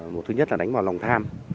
một thứ nhất là đánh vào lòng tham